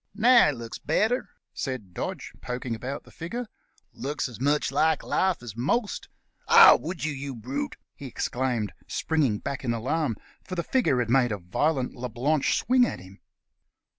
"Now he looks better," said Dodge, poking about the figure — "looks as much like life as most — ah, would you, you brute !" he exclaimed, springing back in alarm, for the figure had made a violent La Blanche swing at him.